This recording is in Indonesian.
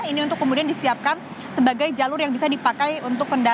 ini untuk kemudian disiapkan sebagai jalur yang bisa dipakai untuk kendaraan